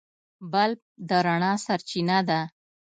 بلب د رڼا سرچینه ده.